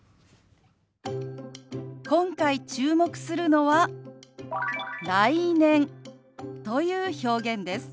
今回注目するのは「来年」という表現です。